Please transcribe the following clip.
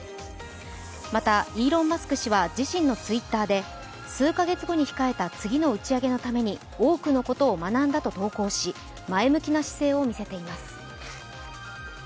また、イーロン・マスク氏は自身のＴｗｉｔｔｅｒで数か月後に控えた次の打ち上げのために多くのことを学んだと投稿し前向きな姿勢を見せています。